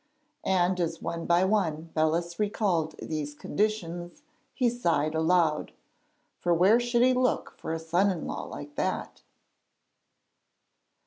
And as one by one Belus recalled these conditions he sighed aloud, for where should he look for a son in law like that?